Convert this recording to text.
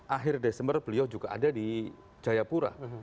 akhir desember beliau juga ada di jayapura